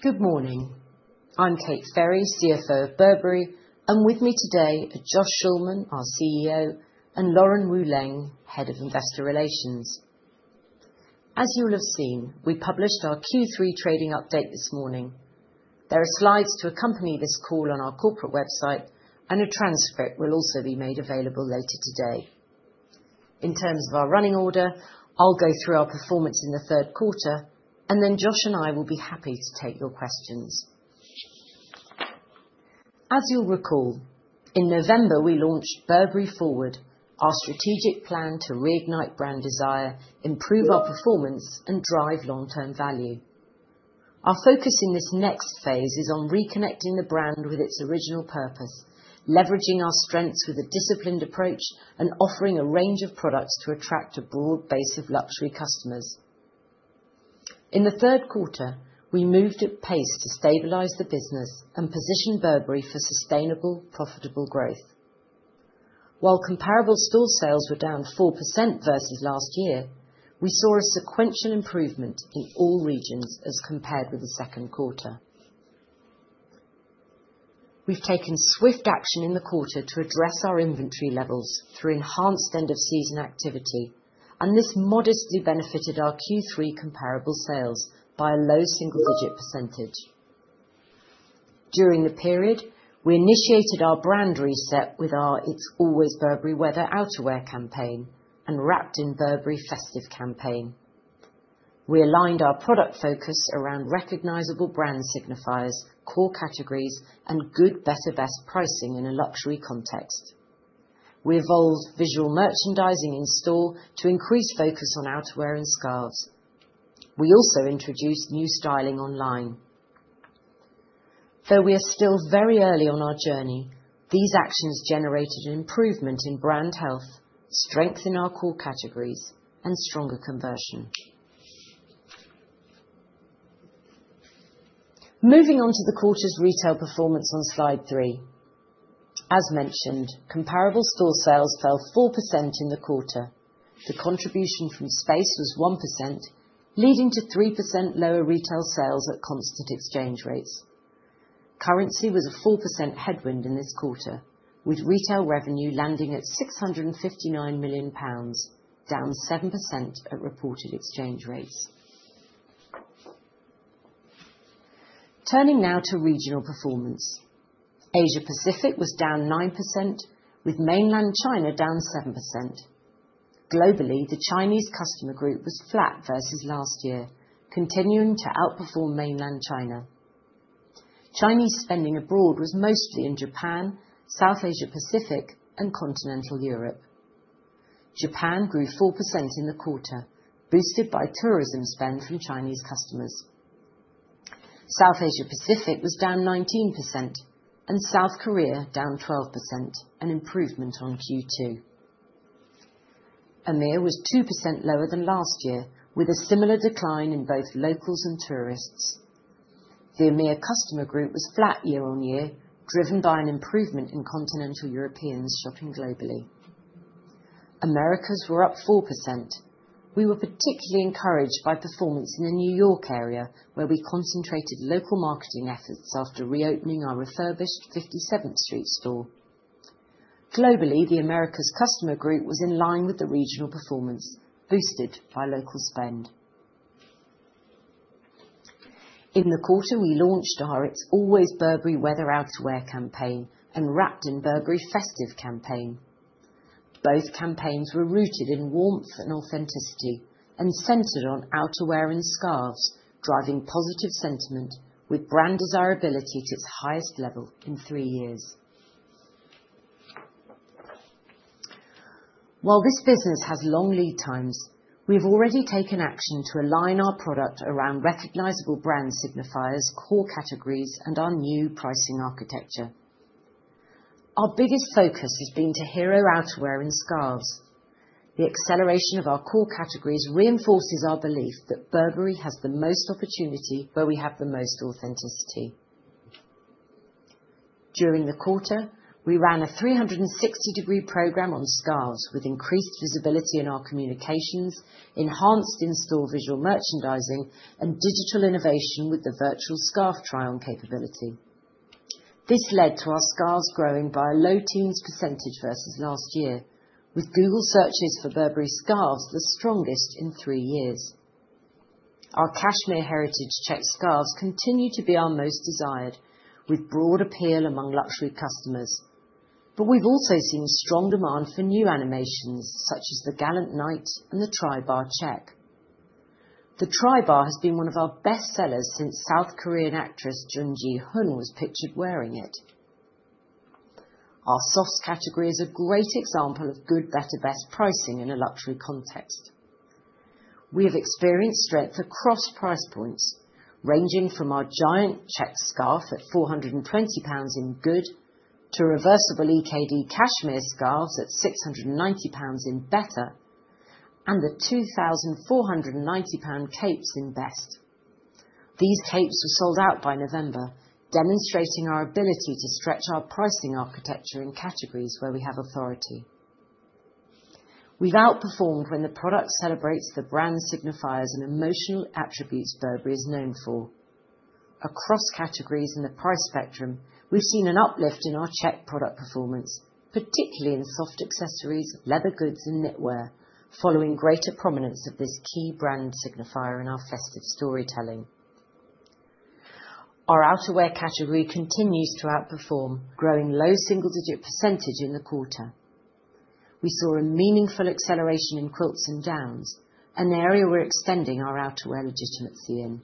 Good morning. I'm Kate Ferry, CFO of Burberry, and with me today are Josh Schulman, our CEO, and Lauren Wu Leng, Head of Investor Relations. As you will have seen, we published our Q3 trading update this morning. There are slides to accompany this call on our corporate website, and a transcript will also be made available later today. In terms of our running order, I'll go through our performance in the third quarter, and then Josh and I will be happy to take your questions. As you'll recall, in November we launched Burberry Forward, our strategic plan to reignite brand desire, improve our performance, and drive long-term value. Our focus in this next phase is on reconnecting the brand with its original purpose, leveraging our strengths with a disciplined approach, and offering a range of products to attract a broad base of luxury customers. In the third quarter, we moved at pace to stabilize the business and position Burberry for sustainable, profitable growth. While comparable store sales were down 4% versus last year, we saw a sequential improvement in all regions as compared with the second quarter. We've taken swift action in the quarter to address our inventory levels through enhanced end-of-season activity, and this modestly benefited our Q3 comparable sales by a low-single-digit percentage. During the period, we initiated our brand reset with our It's Always Burberry Weather outerwear campaign and Wrapped in Burberry Festive campaign. We aligned our product focus around recognizable brand signifiers, core categories, and good, better, best pricing in a luxury context. We evolved visual merchandising in store to increase focus on outerwear and scarves. We also introduced new styling online. Though we are still very early on our journey, these actions generated an improvement in brand health, strength in our core categories, and stronger conversion. Moving on to the quarter's retail performance on slide three. As mentioned, comparable store sales fell 4% in the quarter. The contribution from space was 1%, leading to 3% lower retail sales at constant exchange rates. Currency was a 4% headwind in this quarter, with retail revenue landing at 659 million pounds, down 7% at reported exchange rates. Turning now to regional performance. Asia-Pacific was down 9%, with Mainland China down 7%. Globally, the Chinese customer group was flat versus last year, continuing to outperform Mainland China. Chinese spending abroad was mostly in Japan, South Asia-Pacific, and Continental Europe. Japan grew 4% in the quarter, boosted by tourism spend from Chinese customers. South Asia-Pacific was down 19%, and South Korea down 12%, an improvement on Q2. EMEIA was 2% lower than last year, with a similar decline in both locals and tourists. The EMEIA customer group was flat year-on-year, driven by an improvement in continental Europeans shopping globally. Americas were up 4%. We were particularly encouraged by performance in the New York area, where we concentrated local marketing efforts after reopening our refurbished 57th Street store. Globally, the Americas customer group was in line with the regional performance, boosted by local spend. In the quarter, we launched our It's Always Burberry Weather outerwear campaign and Wrapped in Burberry Festive campaign. Both campaigns were rooted in warmth and authenticity and centered on outerwear and scarves, driving positive sentiment with brand desirability to its highest level in three years. While this business has long lead times, we have already taken action to align our product around recognizable brand signifiers, core categories, and our new pricing architecture. Our biggest focus has been to hero outerwear and scarves. The acceleration of our core categories reinforces our belief that Burberry has the most opportunity where we have the most authenticity. During the quarter, we ran a 360-degree program on scarves with increased visibility in our communications, enhanced in-store visual merchandising, and digital innovation with the virtual scarf trial capability. This led to our scarves growing by a low-teens percentage versus last year, with Google searches for Burberry scarves the strongest in three years. Our cashmere Heritage Check scarves continue to be our most desired, with broad appeal among luxury customers. But we've also seen strong demand for new animations such as the Gallant Knight and the Tri-Bar Check. The Tri-Bar has been one of our best sellers since South Korean actress Jun Ji-hyun was pictured wearing it. Our soft category is a great example of good, better, best pricing in a luxury context. We have experienced strength across price points, ranging from our Giant Check scarf at 420 pounds in good to reversible EKD cashmere scarves at 690 pounds in better and the 2,490 capes in best. These capes were sold out by November, demonstrating our ability to stretch our pricing architecture in categories where we have authority. We've outperformed when the product celebrates the brand signifiers and emotional attributes Burberry is known for. Across categories in the price spectrum, we've seen an uplift in our check product performance, particularly in soft accessories, leather goods, and knitwear, following greater prominence of this key brand signifier in our festive storytelling. Our outerwear category continues to outperform, growing low single-digit percentage in the quarter. We saw a meaningful acceleration in quilts and downs, an area we're extending our outerwear legitimacy in.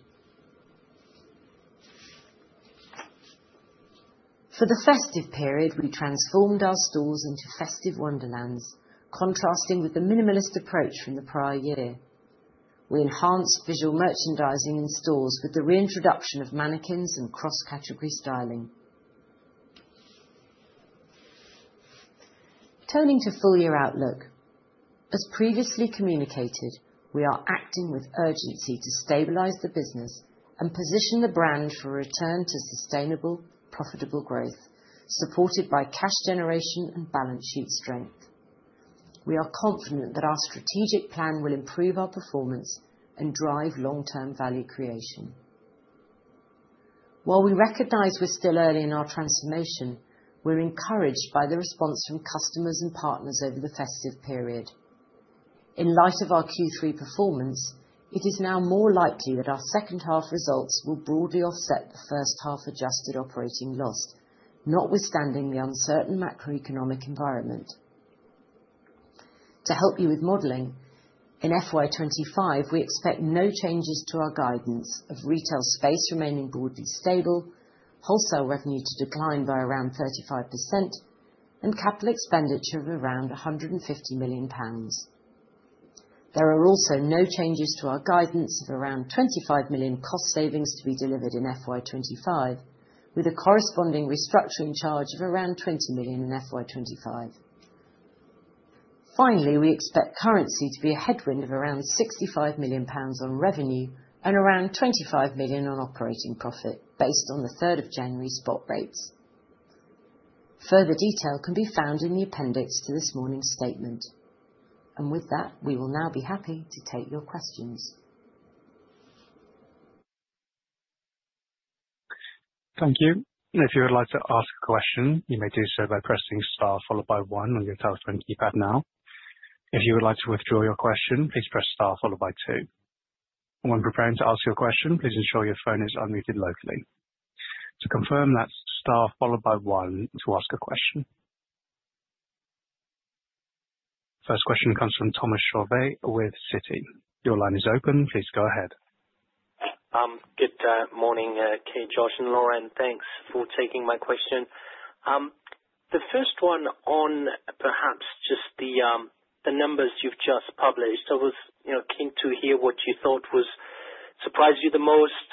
For the festive period, we transformed our stores into festive wonderlands, contrasting with the minimalist approach from the prior year. We enhanced visual merchandising in stores with the reintroduction of mannequins and cross-category styling. Turning to full-year outlook, as previously communicated, we are acting with urgency to stabilize the business and position the brand for a return to sustainable, profitable growth, supported by cash generation and balance sheet strength. We are confident that our strategic plan will improve our performance and drive long-term value creation. While we recognize we're still early in our transformation, we're encouraged by the response from customers and partners over the festive period. In light of our Q3 performance, it is now more likely that our second half results will broadly offset the first half adjusted operating loss, notwithstanding the uncertain macroeconomic environment. To help you with modeling, in FY 2025, we expect no changes to our guidance of retail space remaining broadly stable, wholesale revenue to decline by around 35%, and capital expenditure of around 150 million pounds. There are also no changes to our guidance of around 25 million cost savings to be delivered in FY 2025, with a corresponding restructuring charge of around 20 million in FY 2025. Finally, we expect currency to be a headwind of around 65 million pounds on revenue and around 25 million on operating profit, based on the 3rd of January spot rates. Further detail can be found in the appendix to this morning's statement. And with that, we will now be happy to take your questions. Thank you. If you would like to ask a question, you may do so by pressing star followed by one on your telephone keypad now. If you would like to withdraw your question, please press star followed by two. When preparing to ask your question, please ensure your phone is unmuted locally. To confirm, that's star followed by one to ask a question. First question comes from Thomas Chauvet with Citi. Your line is open. Please go ahead. Good morning, Kate, Josh, and Lauren. Thanks for taking my question. The first one on perhaps just the numbers you've just published. I was keen to hear what you thought surprised you the most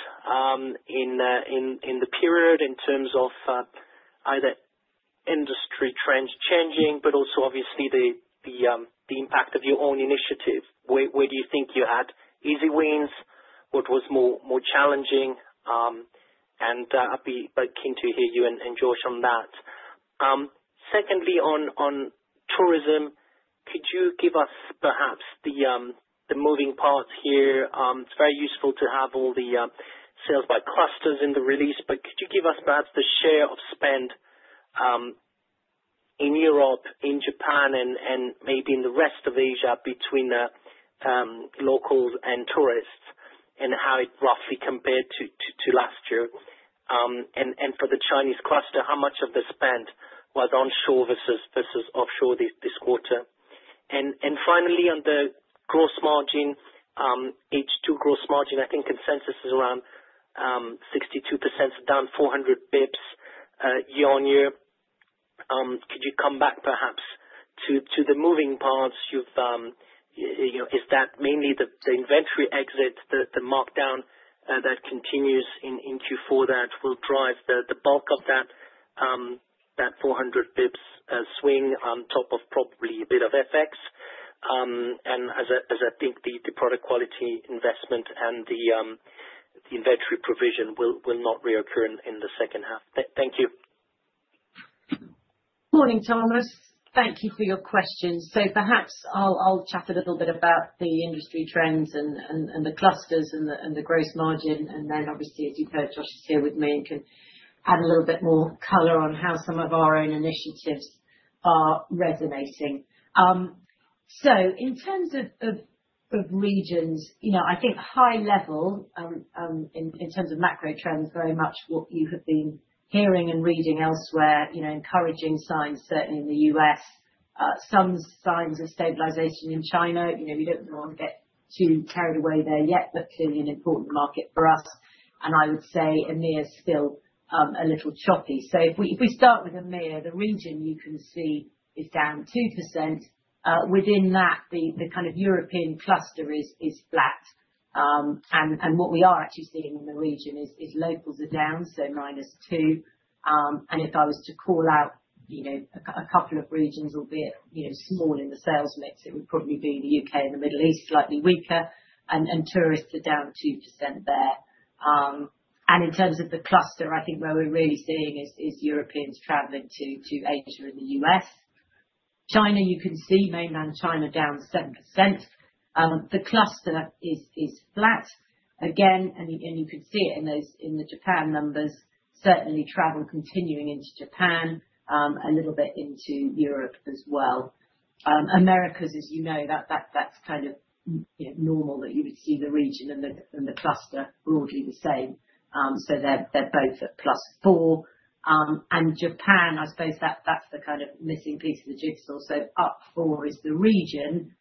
in the period in terms of either industry trends changing, but also, obviously, the impact of your own initiative. Where do you think you had easy wins, what was more challenging? And I'd be keen to hear you and Josh on that. Secondly, on tourism, could you give us perhaps the moving parts here? It's very useful to have all the sales by clusters in the release, but could you give us perhaps the share of spend in Europe, in Japan, and maybe in the rest of Asia between locals and tourists, and how it roughly compared to last year? And for the Chinese cluster, how much of the spend was onshore versus offshore this quarter? Finally, on the gross margin, H2 gross margin, I think consensus is around 62%, down 400 bps year-on-year. Could you come back perhaps to the moving parts? Is that mainly the inventory exit, the markdown that continues in Q4 that will drive the bulk of that 400 bps swing on top of probably a bit of FX? As I think the product quality investment and the inventory provision will not reoccur in the second half. Thank you. Morning, Thomas. Thank you for your question. So perhaps I'll chat a little bit about the industry trends and the clusters and the gross margin, and then obviously, as you've heard, Josh is here with me and can add a little bit more color on how some of our own initiatives are resonating. So in terms of regions, I think high level in terms of macro trends, very much what you have been hearing and reading elsewhere, encouraging signs, certainly in the U.S., some signs of stabilization in China. We don't want to get too carried away there yet, but clearly an important market for us. And I would say EMEIA is still a little choppy. So if we start with EMEIA, the region you can see is down 2%. Within that, the kind of European cluster is flat. What we are actually seeing in the region is locals are down, so -2%. If I was to call out a couple of regions, albeit small in the sales mix, it would probably be the U.K. and the Middle East, slightly weaker. Tourists are down 2% there. In terms of the cluster, I think where we're really seeing is Europeans traveling to Asia and the U.S.. China, you can see Mainland China down 7%. The cluster is flat. Again, you can see it in the Japan numbers, certainly travel continuing into Japan, a little bit into Europe as well. Americas, as you know, that's kind of normal that you would see the region and the cluster broadly the same, so they're both at +4%. Japan, I suppose that's the kind of missing piece of the jigsaw. So, up 4% is the region,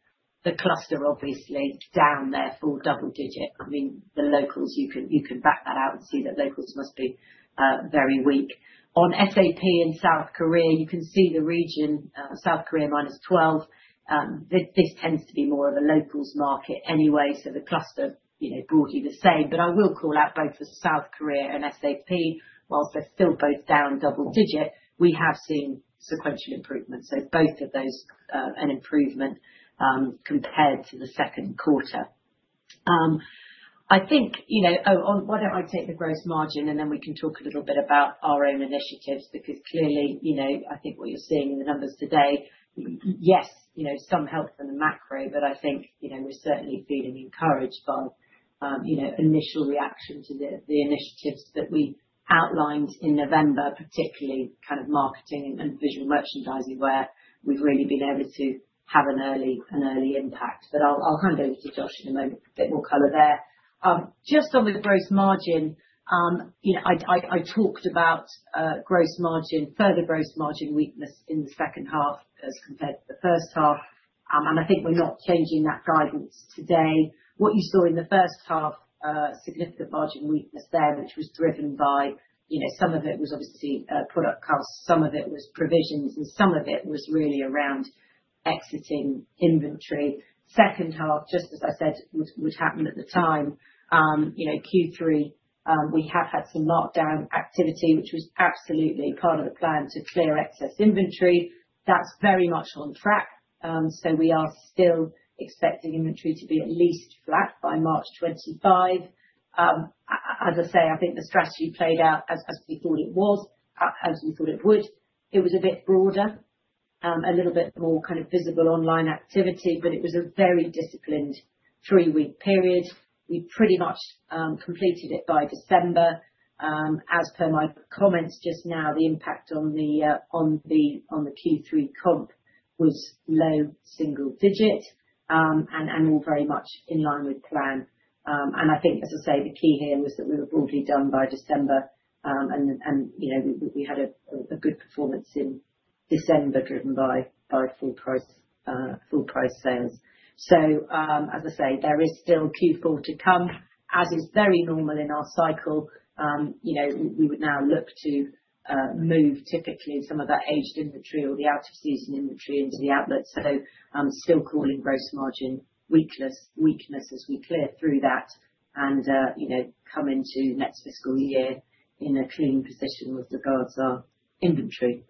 the cluster obviously down there for double digit. I mean, the locals, you can back that out and see that locals must be very weak. On SAP and South Korea, you can see the region, South Korea -12%. This tends to be more of a locals market anyway, so the cluster broadly the same. But I will call out both for South Korea and SAP, while they're still both down double digit, we have seen sequential improvement. So both of those an improvement compared to the second quarter. I think, oh, why don't I take the gross margin and then we can talk a little bit about our own initiatives? Because clearly, I think what you're seeing in the numbers today, yes, some help from the macro, but I think we're certainly feeling encouraged by initial reaction to the initiatives that we outlined in November, particularly kind of marketing and visual merchandising where we've really been able to have an early impact, but I'll hand over to Josh in a moment, a bit more color there. Just on the gross margin, I talked about further gross margin weakness in the second half as compared to the first half, and I think we're not changing that guidance today. What you saw in the first half, significant margin weakness there, which was driven by some of it was obviously product costs, some of it was provisions, and some of it was really around exiting inventory. Second half, just as I said, would happen at the time. Q3, we have had some markdown activity, which was absolutely part of the plan to clear excess inventory. That's very much on track. So we are still expecting inventory to be at least flat by March 2025. As I say, I think the strategy played out as we thought it was, as we thought it would. It was a bit broader, a little bit more kind of visible online activity, but it was a very disciplined three-week period. We pretty much completed it by December. As per my comments just now, the impact on the Q3 comp was low single digit and all very much in line with plan. And I think, as I say, the key here was that we were broadly done by December and we had a good performance in December driven by full price sales. So as I say, there is still Q4 to come. As is very normal in our cycle, we would now look to move typically some of that aged inventory or the out-of-season inventory into the outlet. So still calling gross margin weakness as we clear through that and come into next fiscal year in a clean position with regards to our inventory.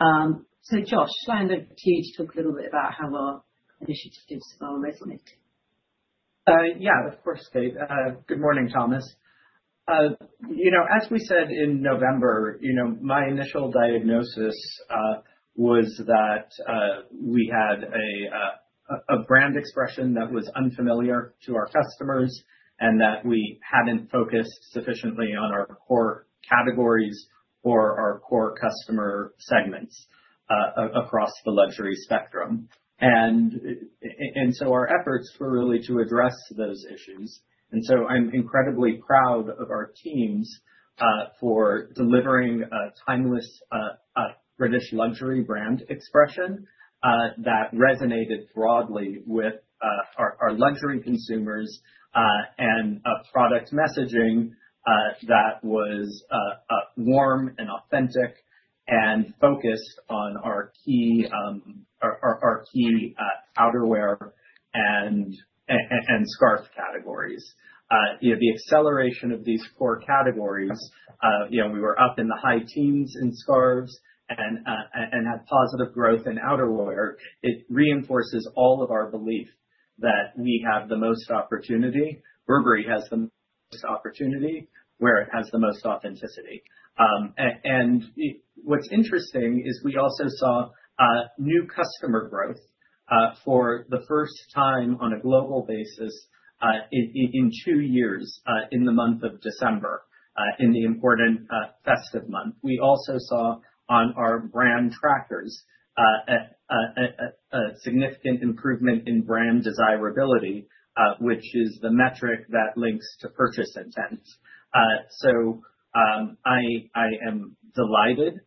So Josh, I'll hand over to you to talk a little bit about how our initiatives are resonating. Yeah, of course, Kate. Good morning, Thomas. As we said in November, my initial diagnosis was that we had a brand expression that was unfamiliar to our customers and that we hadn't focused sufficiently on our core categories or our core customer segments across the luxury spectrum. And so our efforts were really to address those issues. And so I'm incredibly proud of our teams for delivering a timeless British luxury brand expression that resonated broadly with our luxury consumers and a product messaging that was warm and authentic and focused on our key outerwear and scarf categories. The acceleration of these core categories, we were up in the high teens in scarves and had positive growth in outerwear. It reinforces all of our belief that we have the most opportunity. Burberry has the most opportunity where it has the most authenticity. And what's interesting is we also saw new customer growth for the first time on a global basis in two years in the month of December in the important festive month. We also saw on our brand trackers a significant improvement in brand desirability, which is the metric that links to purchase intent. So I am delighted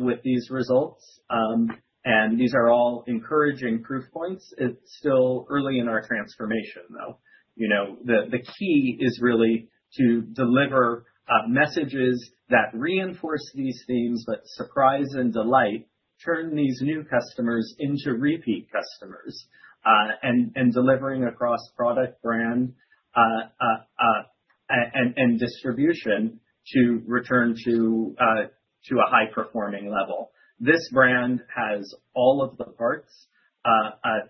with these results. And these are all encouraging proof points. It's still early in our transformation, though. The key is really to deliver messages that reinforce these themes, but surprise and delight, turn these new customers into repeat customers and delivering across product brand and distribution to return to a high-performing level. This brand has all of the parts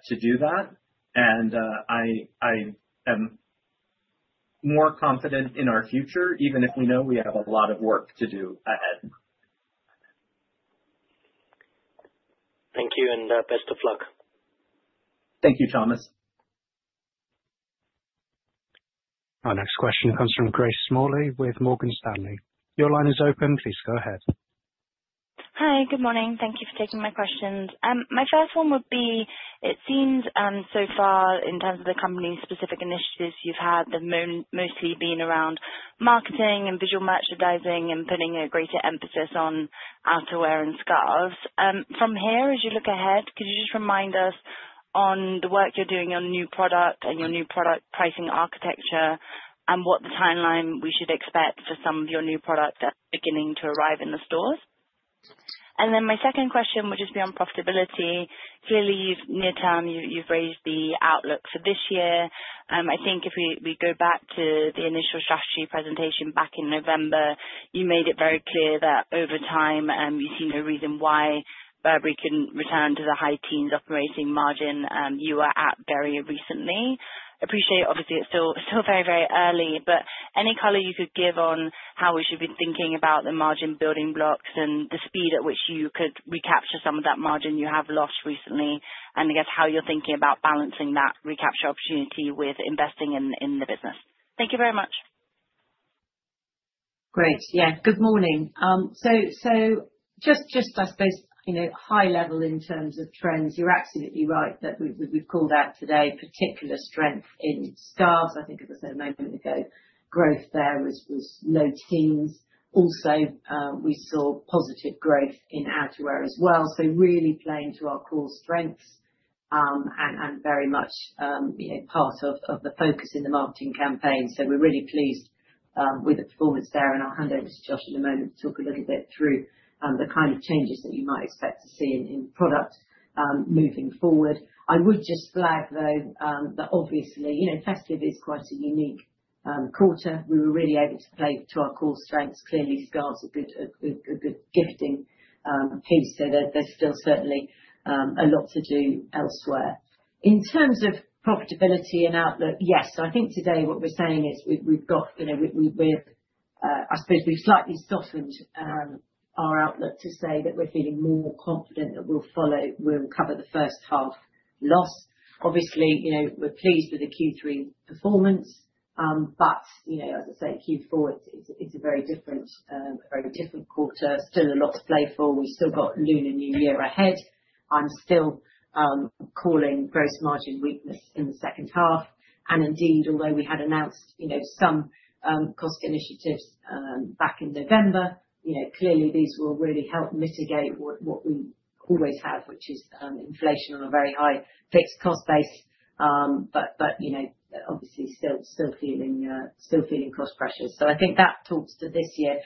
to do that. And I am more confident in our future, even if we know we have a lot of work to do ahead. Thank you and best of luck. Thank you, Thomas. Our next question comes from Grace Smalley with Morgan Stanley. Your line is open. Please go ahead. Hi, good morning. Thank you for taking my questions. My first one would be, it seems so far in terms of the company's specific initiatives you've had, they've mostly been around marketing and visual merchandising and putting a greater emphasis on outerwear and scarves. From here, as you look ahead, could you just remind us on the work you're doing on new product and your new product pricing architecture and what the timeline we should expect for some of your new products that are beginning to arrive in the stores? And then my second question would just be on profitability. Clearly, near term, you've raised the outlook for this year. I think if we go back to the initial strategy presentation back in November, you made it very clear that over time you see no reason why Burberry couldn't return to the high teens operating margin you were at very recently. Appreciate, obviously, it's still very, very early, but any color you could give on how we should be thinking about the margin building blocks and the speed at which you could recapture some of that margin you have lost recently, and I guess how you're thinking about balancing that recapture opportunity with investing in the business. Thank you very much. Great. Yeah, good morning. So just, I suppose, high level in terms of trends, you're absolutely right that we've called out today particular strength in scarves. I think it was a moment ago, growth there was low teens. Also, we saw positive growth in outerwear as well. So really playing to our core strengths and very much part of the focus in the marketing campaign. So we're really pleased with the performance there. And I'll hand over to Josh in a moment to talk a little bit through the kind of changes that you might expect to see in product moving forward. I would just flag, though, that obviously festive is quite a unique quarter. We were really able to play to our core strengths. Clearly, scarves are a good gifting piece. So there's still certainly a lot to do elsewhere. In terms of profitability and outlook, yes, I think today what we're saying is we've got, I suppose we've slightly softened our outlook to say that we're feeling more confident that we'll cover the first half loss. Obviously, we're pleased with the Q3 performance, but as I say, Q4 is a very different quarter. Still a lot to play for. We've still got Lunar New Year ahead. I'm still calling gross margin weakness in the second half. And indeed, although we had announced some cost initiatives back in November, clearly these will really help mitigate what we always have, which is inflation on a very high fixed cost base, but obviously still feeling cost pressure. So I think that talks to this year.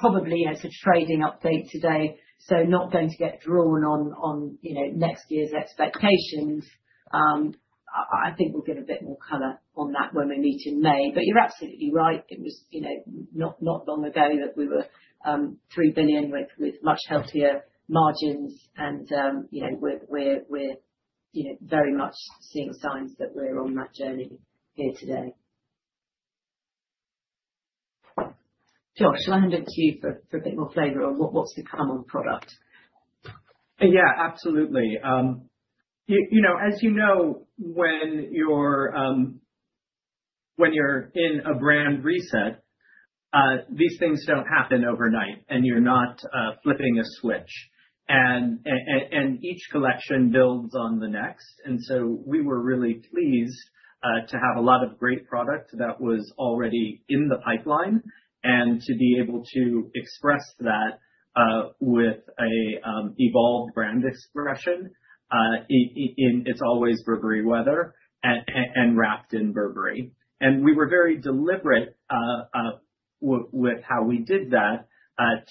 Probably as a trading update today, so not going to get drawn on next year's expectations. I think we'll get a bit more color on that when we meet in May. But you're absolutely right. It was not long ago that we were 3 billion with much healthier margins. And we're very much seeing signs that we're on that journey here today. Josh, I'll hand over to you for a bit more flavor on what's to come on product. Yeah, absolutely. As you know, when you're in a brand reset, these things don't happen overnight and you're not flipping a switch. And each collection builds on the next. And so we were really pleased to have a lot of great product that was already in the pipeline and to be able to express that with an evolved brand expression in It's Always Burberry Weather and Wrapped in Burberry. And we were very deliberate with how we did that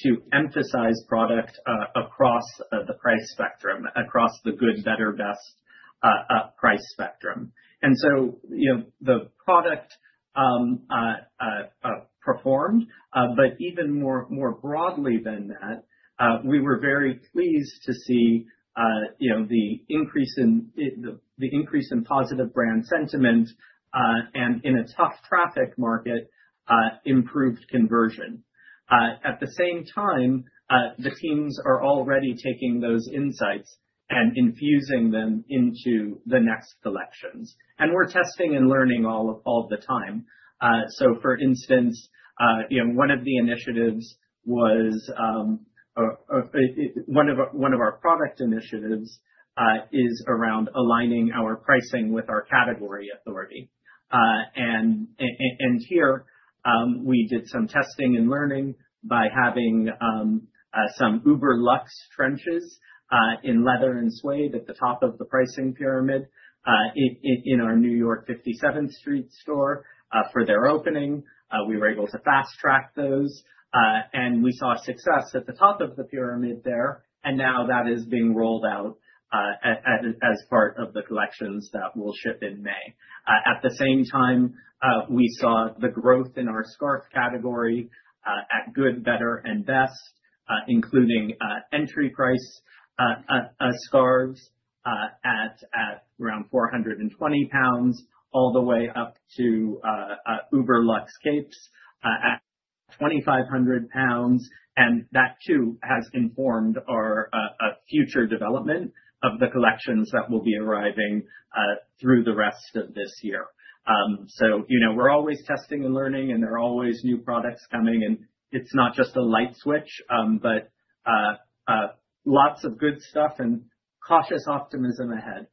to emphasize product across the price spectrum, across the good, better, best price spectrum. And so the product performed, but even more broadly than that, we were very pleased to see the increase in positive brand sentiment and in a tough traffic market improved conversion. At the same time, the teams are already taking those insights and infusing them into the next collections. And we're testing and learning all the time. So for instance, one of the initiatives was one of our product initiatives is around aligning our pricing with our category authority. And here we did some testing and learning by having some ultra-luxe trenches in leather and suede at the top of the pricing pyramid in our New York 57th Street store for their opening. We were able to fast track those. And we saw success at the top of the pyramid there. And now that is being rolled out as part of the collections that will ship in May. At the same time, we saw the growth in our scarf good, better, and best, including entry price scarves at around 420 pounds all the way up to ultra-luxe capes at 2,500 pounds. And that too has informed our future development of the collections that will be arriving through the rest of this year. So we're always testing and learning and there are always new products coming. And it's not just a light switch, but lots of good stuff and cautious optimism ahead.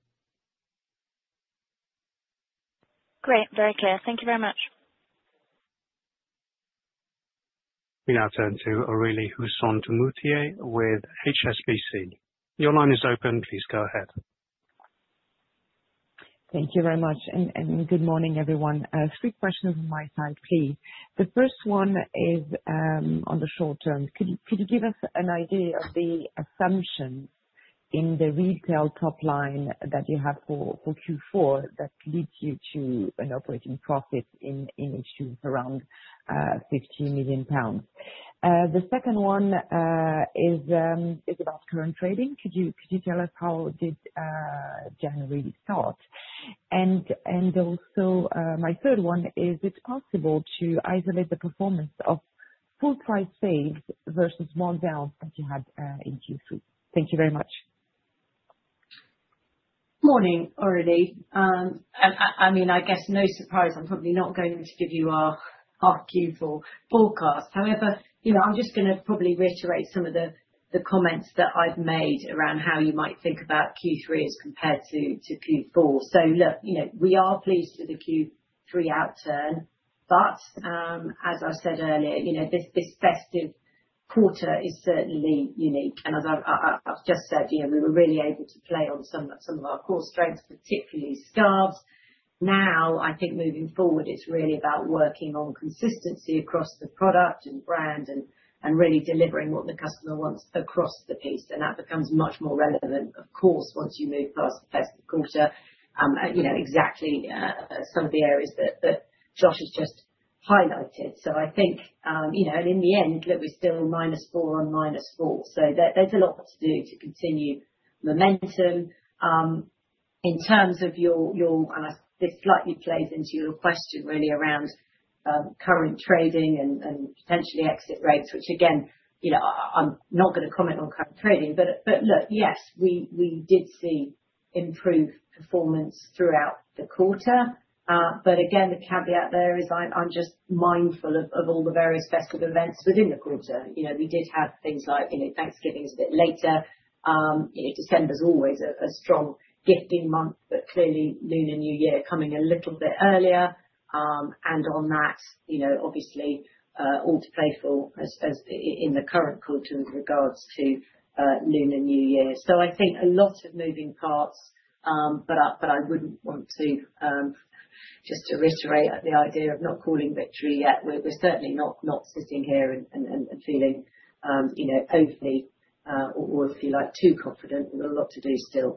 Great. Very clear. Thank you very much. We now turn to Aurélie Husson-Dumoutier with HSBC. Your line is open. Please go ahead. Thank you very much, and good morning, everyone. A quick question from my side, please. The first one is on the short term. Could you give us an idea of the assumptions in the retail top line that you have for Q4 that leads you to an operating profit in the region of around 15 million pounds? The second one is about current trading. Could you tell us how did January start? Also, my third one is, is it possible to isolate the performance of full price sales versus markdowns that you had in Q3? Thank you very much. Morning, Aurélie. I mean, I guess no surprise. I'm probably not going to give you our Q4 forecast. However, I'm just going to probably reiterate some of the comments that I've made around how you might think about Q3 as compared to Q4. So look, we are pleased with the Q3 outturn. But as I said earlier, this festive quarter is certainly unique. And as I've just said, we were really able to play on some of our core strengths, particularly scarves. Now, I think moving forward, it's really about working on consistency across the product and brand and really delivering what the customer wants across the piece. And that becomes much more relevant, of course, once you move past the festive quarter, exactly some of the areas that Josh has just highlighted. So I think, and in the end, look, we're still -4% on -4%. So there's a lot to do to continue momentum. In terms of your, and this slightly plays into your question really around current trading and potentially exit rates, which again, I'm not going to comment on current trading. But look, yes, we did see improved performance throughout the quarter. But again, the caveat there is I'm just mindful of all the various festive events within the quarter. We did have things like Thanksgiving is a bit later. December's always a strong gifting month, but clearly Lunar New Year coming a little bit earlier. And on that, obviously, all to play for in the current quarter with regards to Lunar New Year. So I think a lot of moving parts, but I wouldn't want to just reiterate the idea of not calling victory yet. We're certainly not sitting here and feeling overly or, if you like, too confident. We've got a lot to do still.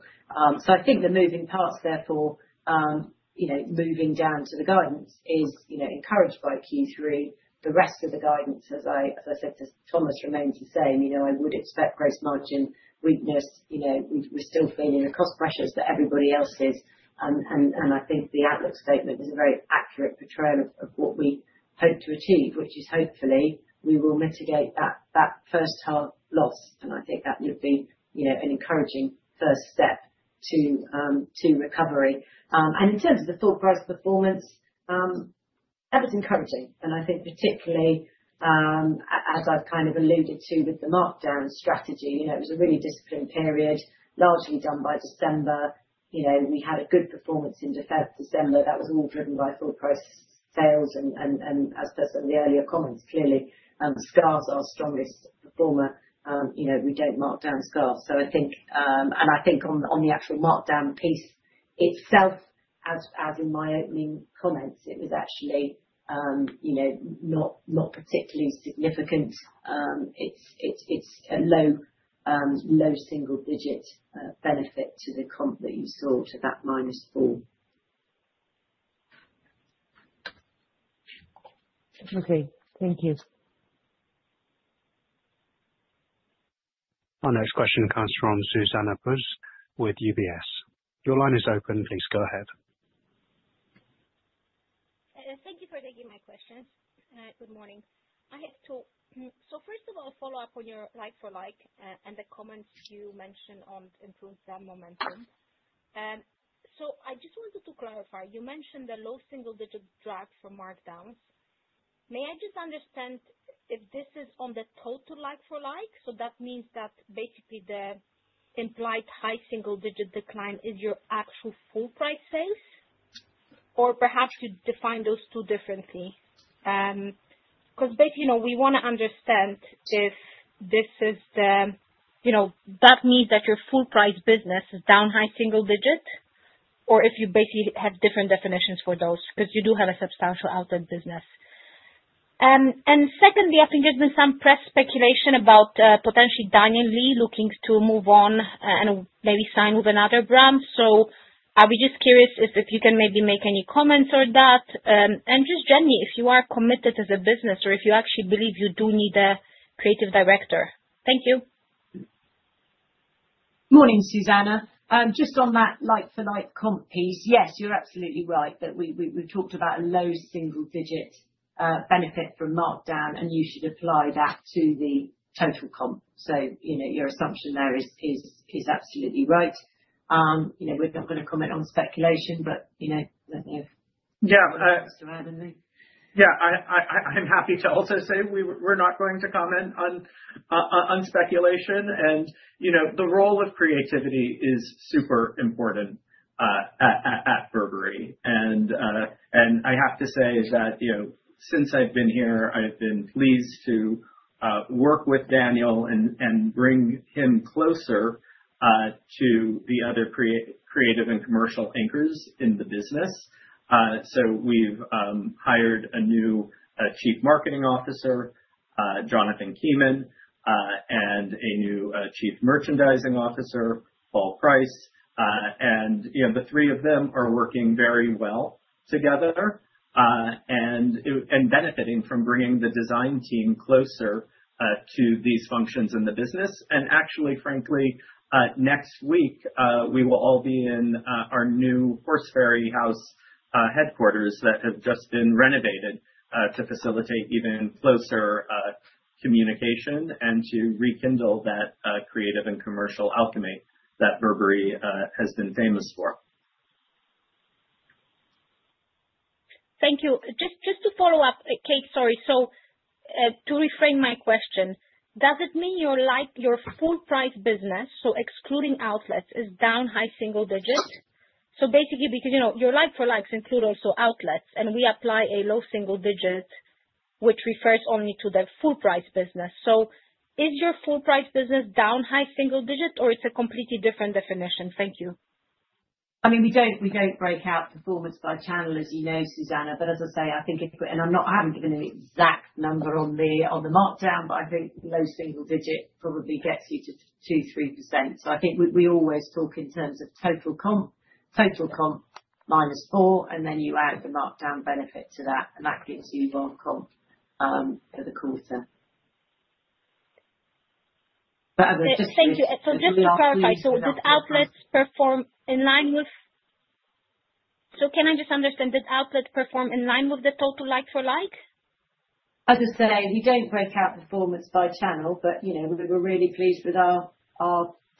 So I think the moving parts therefore moving down to the guidance is encouraged by Q3. The rest of the guidance, as I said to Thomas, remains the same. I would expect gross margin weakness. We're still feeling the cost pressures that everybody else is. And I think the outlook statement is a very accurate portrayal of what we hope to achieve, which is hopefully we will mitigate that first half loss. And I think that would be an encouraging first step to recovery. And in terms of the full price performance, that was encouraging. And I think particularly, as I've kind of alluded to with the markdown strategy, it was a really disciplined period, largely done by December. We had a good performance in festive December. That was all driven by full price sales. As per some of the earlier comments, clearly, scarves are our strongest performer. We don't markdown scarves. I think on the actual markdown piece itself, as in my opening comments, it was actually not particularly significant. It's a low single-digit benefit to the comp that you saw to that minus four. Okay. Thank you. Our next question comes from Zuzanna Pusz with UBS. Your line is open. Please go ahead. Thank you for taking my question. Good morning. So first of all, follow up on your like-for-like and the comments you mentioned on improved brand momentum. So I just wanted to clarify. You mentioned the low single-digit drag from markdowns. May I just understand if this is on the total like-for-like? So that means that basically the implied high-single-digit decline is your actual full price sales? Or perhaps you define those two differently? Because we want to understand if this is, that means that your full price business is down high-single digit or if you basically have different definitions for those because you do have a substantial outlet business. And secondly, I think there's been some press speculation about potentially Daniel Lee looking to move on and maybe sign with another brand. So I'll be just curious if you can maybe make any comments on that. Just generally, if you are committed as a business or if you actually believe you do need a creative director? Thank you. Morning, Zuzanna. Just on that like-for-like comp piece, yes, you're absolutely right that we've talked about a low-single-digit benefit from markdown and you should apply that to the total comp. So your assumption there is absolutely right. We're not going to comment on speculation, but let me ask you to add in there. Yeah. I'm happy to also say we're not going to comment on speculation. And the role of creativity is super important at Burberry. And I have to say that since I've been here, I've been pleased to work with Daniel and bring him closer to the other creative and commercial anchors in the business. So we've hired a new Chief Marketing Officer, Jonathan Kiman, and a new Chief Merchandising Officer, Paul Price. And the three of them are working very well together and benefiting from bringing the design team closer to these functions in the business. And actually, frankly, next week, we will all be in our new Horseferry House headquarters that have just been renovated to facilitate even closer communication and to rekindle that creative and commercial alchemy that Burberry has been famous for. Thank you. Just to follow up, Kate, sorry. So to reframe my question, does it mean your full price business, so excluding outlets, is down high-single digit? So basically, because your like-for-likes include also outlets, and we apply a low-single digit, which refers only to the full price business. So is your full price business down high-single digit, or it's a completely different definition? Thank you. I mean, we don't break out performance by channel, as you know, Zuzanna. But as I say, I think if we're, and I haven't given an exact number on the markdown, but I think low-single digit probably gets you to 2%-3%. So I think we always talk in terms of total comp, total comp minus four, and then you add the markdown benefit to that. And that gives you one comp for the quarter. Thank you. So just to clarify, so did outlets perform in line with—so can I just understand, did outlets perform in line with the total like-for-like? As I say, we don't break out performance by channel, but we're really pleased with our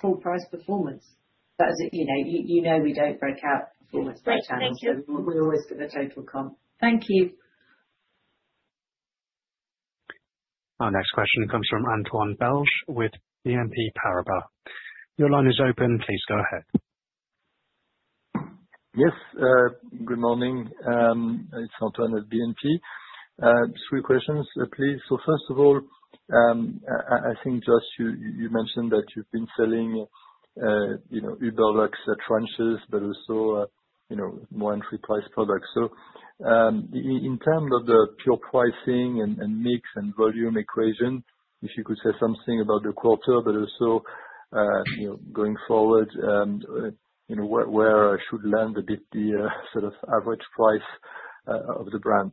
full price performance. You know we don't break out performance by channel. Great. Thank you. We always get the total comp. Thank you. Our next question comes from Antoine Belge with BNP Paribas. Your line is open. Please go ahead. Yes. Good morning. It's Antoine at BNP. Three questions, please. So first of all, I think just you mentioned that you've been selling ultra-luxe trenches, but also more entry-price products. So in terms of the pure pricing and mix and volume equation, if you could say something about the quarter, but also going forward, where I should land a bit the sort of average price of the brand.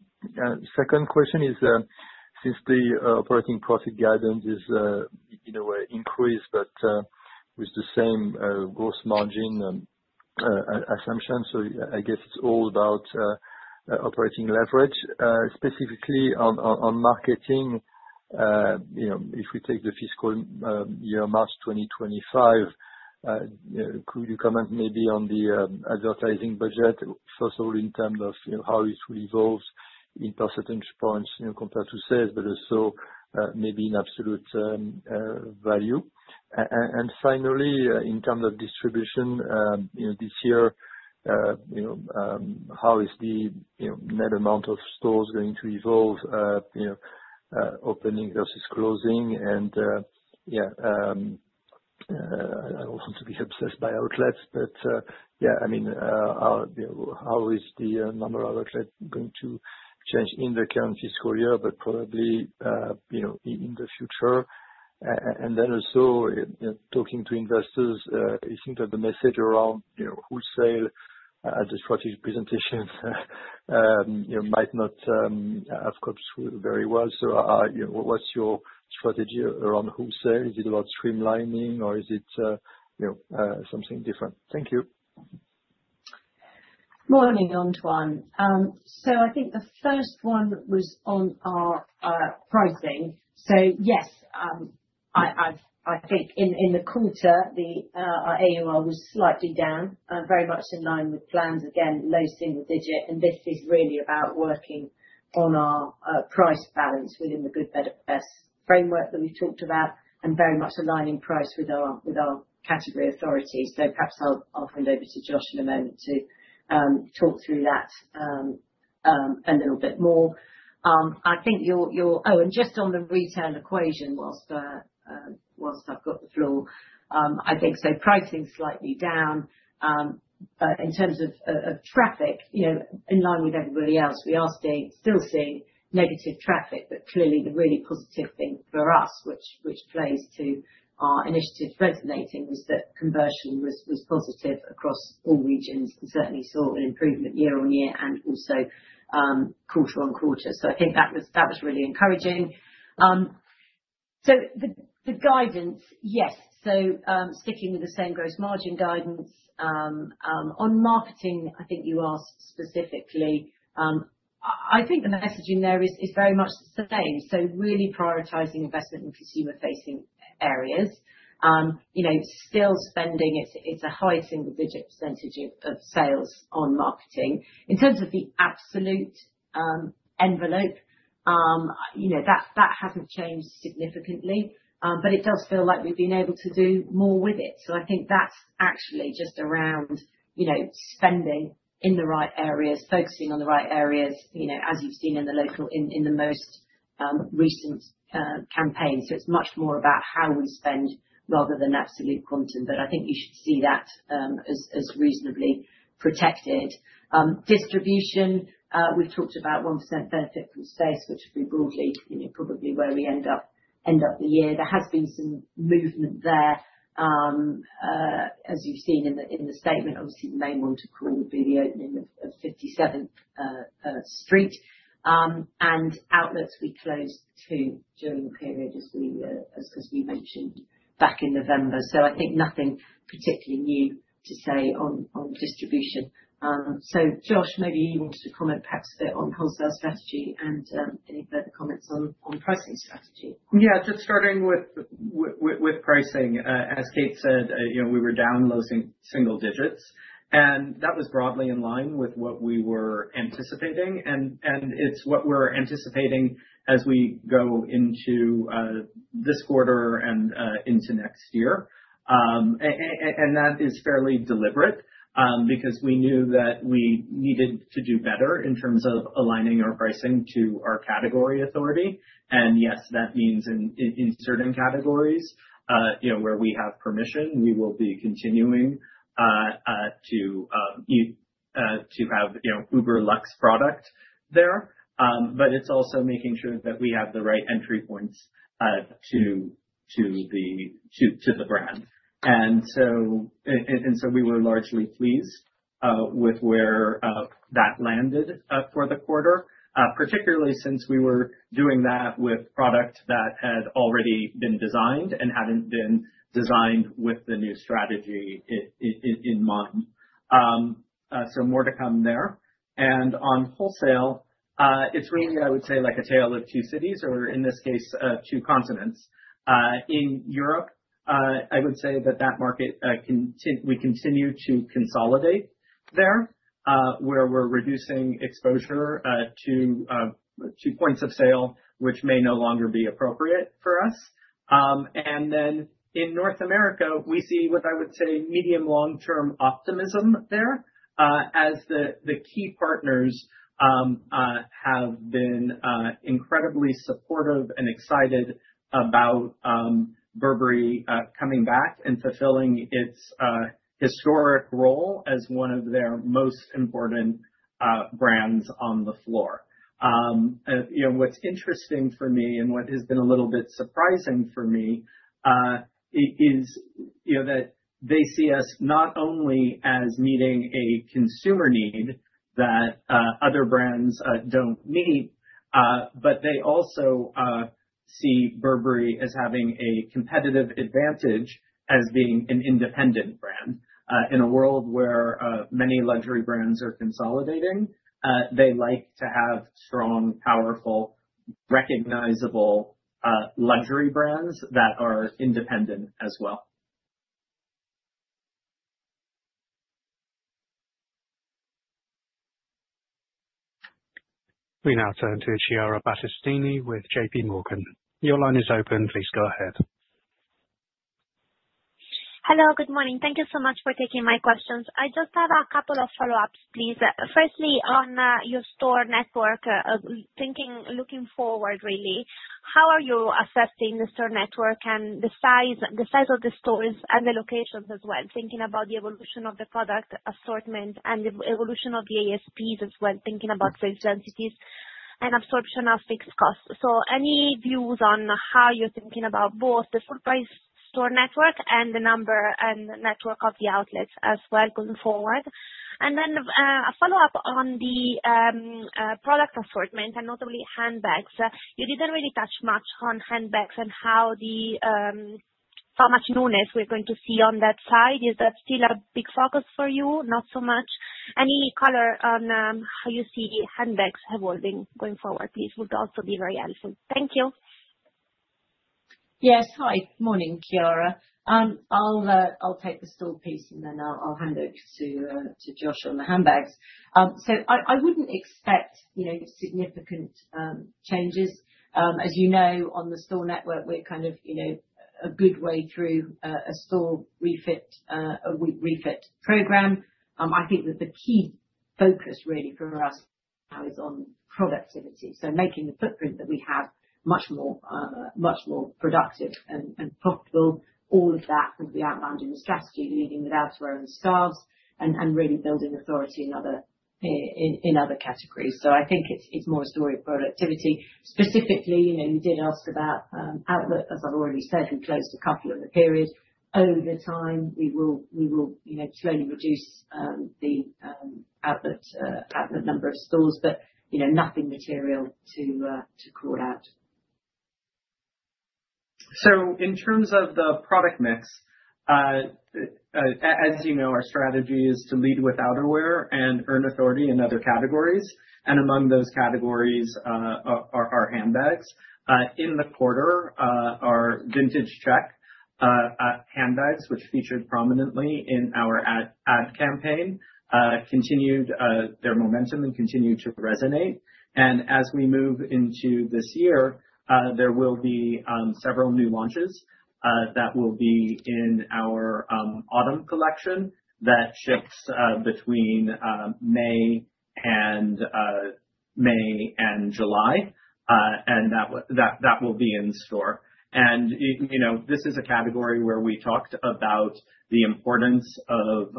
Second question is, since the operating profit guidance is in a way increased, but with the same gross margin assumption, so I guess it's all about operating leverage, specifically on marketing, if we take the fiscal year March 2025, could you comment maybe on the advertising budget, first of all, in terms of how it will evolve in percentage points compared to sales, but also maybe in absolute value? Finally, in terms of distribution this year, how is the net amount of stores going to evolve, opening versus closing? Yeah, I don't want to be obsessed by outlets, but yeah, I mean, how is the number of outlets going to change in the current fiscal year, but probably in the future? Then also talking to investors, I think that the message around wholesale at the strategy presentation might not have come through very well. So what's your strategy around wholesale? Is it about streamlining, or is it something different? Thank you. Morning, Antoine. So I think the first one was on our pricing. So yes, I think in the quarter, our AUR was slightly down, very much in line with plans, again, low single digit. And this is really about working on our price balance within the good, better, best framework that we've talked about and very much aligning price with our category authority. So perhaps I'll hand over to Josh in a moment to talk through that a little bit more. I think your. Oh, and just on the retail equation, whilst I've got the floor, I think so pricing's slightly down. But in terms of traffic, in line with everybody else, we are still seeing negative traffic, but clearly the really positive thing for us, which plays to our initiative resonating, was that conversion was positive across all regions and certainly saw an improvement year-on-year and also quarter-on-quarter. So I think that was really encouraging. So the guidance, yes. So sticking with the same gross margin guidance. On marketing, I think you asked specifically, I think the messaging there is very much the same. So really prioritizing investment in consumer-facing areas. Still spending, it's a high-single-digit percentage of sales on marketing. In terms of the absolute envelope, that hasn't changed significantly, but it does feel like we've been able to do more with it. So I think that's actually just around spending in the right areas, focusing on the right areas, as you've seen in the most recent campaign. So it's much more about how we spend rather than absolute quantum. But I think you should see that as reasonably protected. Distribution, we've talked about 1% benefit from space, which would be broadly probably where we end up the year. There has been some movement there, as you've seen in the statement. Obviously, the main one to call would be the opening of 57th Street. And outlets, we closed two during the period, as we mentioned back in November. So I think nothing particularly new to say on distribution. So Josh, maybe you wanted to comment perhaps a bit on wholesale strategy and any further comments on pricing strategy? Yeah. Just starting with pricing, as Kate said, we were down low-single digits. And that was broadly in line with what we were anticipating. And it's what we're anticipating as we go into this quarter and into next year. And that is fairly deliberate because we knew that we needed to do better in terms of aligning our pricing to our category authority. And yes, that means in certain categories where we have permission, we will be continuing to have ultra-luxe product there. But it's also making sure that we have the right entry points to the brand. And so we were largely pleased with where that landed for the quarter, particularly since we were doing that with product that had already been designed and hadn't been designed with the new strategy in mind. So more to come there. On wholesale, it's really, I would say, like a tale of two cities or, in this case, two continents. In Europe, I would say that that market, we continue to consolidate there where we're reducing exposure to points of sale, which may no longer be appropriate for us. Then in North America, we see what I would say medium-long-term optimism there as the key partners have been incredibly supportive and excited about Burberry coming back and fulfilling its historic role as one of their most important brands on the floor. What's interesting for me and what has been a little bit surprising for me is that they see us not only as meeting a consumer need that other brands don't meet, but they also see Burberry as having a competitive advantage as being an independent brand. In a world where many luxury brands are consolidating, they like to have strong, powerful, recognizable luxury brands that are independent as well. We now turn to Chiara Battistini with JPMorgan. Your line is open. Please go ahead. Hello. Good morning. Thank you so much for taking my questions. I just have a couple of follow-ups, please. Firstly, on your store network, looking forward, really, how are you assessing the store network and the size of the stores and the locations as well, thinking about the evolution of the product assortment and the evolution of the ASPs as well, thinking about sales densities and absorption of fixed costs? So any views on how you're thinking about both the full-price store network and the number and network of the outlets as well going forward? And then a follow-up on the product assortment and notably handbags. You didn't really touch much on handbags and how much newness we're going to see on that side. Is that still a big focus for you? Not so much? Any color on how you see handbags evolving going forward, please, would also be very helpful? Thank you. Yes. Hi. Morning, Chiara. I'll take the store piece, and then I'll hand over to Josh on the handbags. So I wouldn't expect significant changes. As you know, on the store network, we're kind of a good way through a store refit program. I think that the key focus really for us now is on productivity. So making the footprint that we have much more productive and profitable, all of that would be outlined in the strategy, leading with outerwear and scarves and really building authority in other categories. So I think it's more a story of productivity. Specifically, you did ask about outlet. As I've already said, we closed a couple in the period. Over time, we will slowly reduce the outlet number of stores, but nothing material to call out. So in terms of the product mix, as you know, our strategy is to lead with outerwear and earn authority in other categories. And among those categories are handbags. In the quarter, our Vintage Check handbags, which featured prominently in our ad campaign, continued their momentum and continued to resonate. And as we move into this year, there will be several new launches that will be in our autumn collection that ships between May and July and that will be in store. And this is a category where we talked about the importance of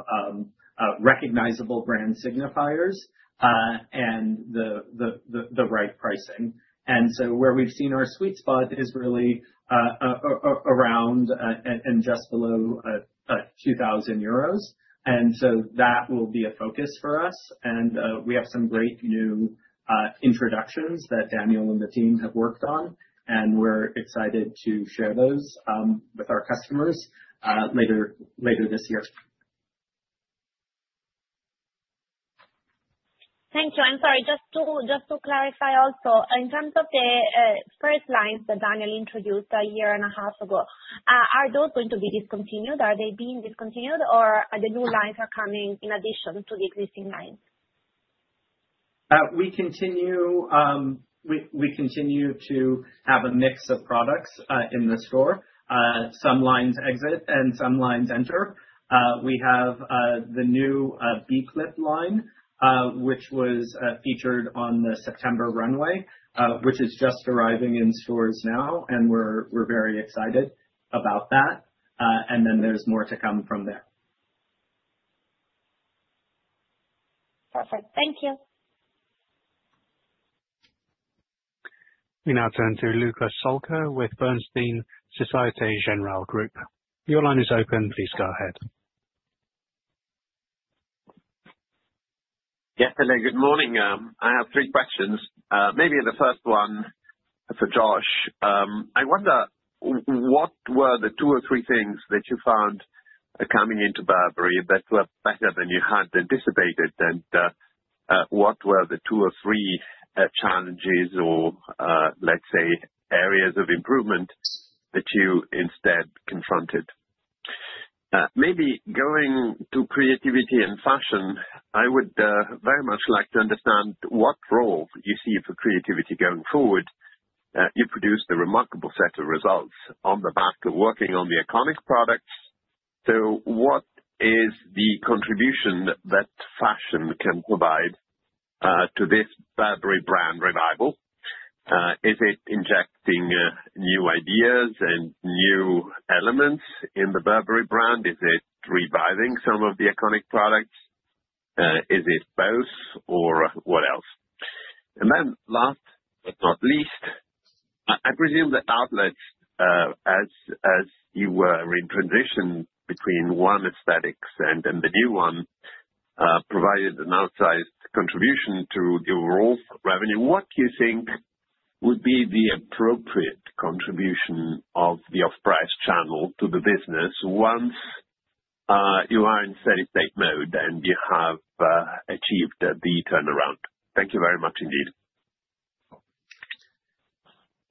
recognizable brand signifiers and the right pricing. And so where we've seen our sweet spot is really around and just below 2,000 euros. And so that will be a focus for us. We have some great new introductions that Daniel and the team have worked on, and we're excited to share those with our customers later this year. Thank you. I'm sorry. Just to clarify also, in terms of the first lines that Daniel introduced a year and a half ago, are those going to be discontinued? Are they being discontinued, or are the new lines coming in addition to the existing lines? We continue to have a mix of products in the store. Some lines exit, and some lines enter. We have the new B Clip line, which was featured on the September runway, which is just arriving in stores now, and we're very excited about that. And then there's more to come from there. Perfect. Thank you. We now turn to Luca Solca with Bernstein Société Générale. Your line is open. Please go ahead. Yes. Hello. Good morning. I have three questions. Maybe the first one for Josh. I wonder, what were the two or three things that you found coming into Burberry that were better than you had anticipated? And what were the two or three challenges or, let's say, areas of improvement that you instead confronted? Maybe going to creativity and fashion, I would very much like to understand what role you see for creativity going forward. You produced a remarkable set of results on the back of working on the iconic products. So what is the contribution that fashion can provide to this Burberry brand revival? Is it injecting new ideas and new elements in the Burberry brand? Is it reviving some of the iconic products? Is it both, or what else? And then last but not least, I presume that outlets, as you were in transition between one aesthetics and the new one, provided an outsized contribution to the overall revenue. What do you think would be the appropriate contribution of the off-price channel to the business once you are in steady-state mode and you have achieved the turnaround? Thank you very much indeed.